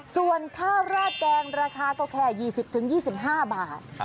ส่วนข้าวราดแกงราคาก็แค่๒๐๒๕บาท